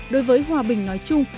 đối với hòa bình nói chung